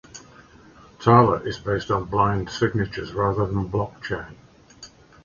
Taler is based on blind signatures rather than blockchain.